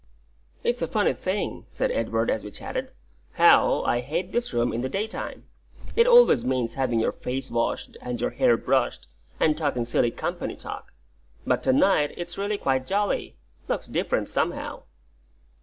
"It's a funny thing," said Edward, as we chatted, "how; I hate this room in the daytime. It always means having your face washed, and your hair brushed, and talking silly company talk. But to night it's really quite jolly. Looks different, somehow."